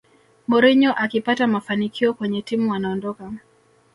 mourinho akipata mafanikio kwenye timu anaondoka